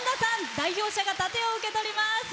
代表者が盾を受け取ります。